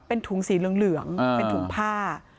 เป็นถุงสีเหลืองเหลืองอ่าเป็นถุงผ้า